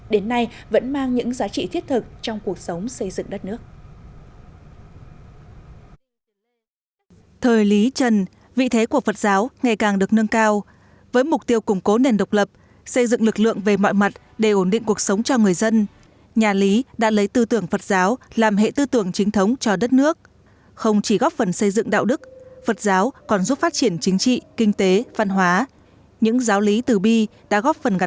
đến nay vẫn mang những giá trị thiết thực trong cuộc sống xây dựng đất nước